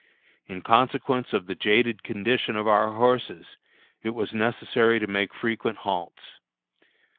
In consequence of the jaded condition of our horses it was necessary to make frequent halts.